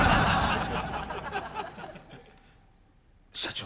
社長。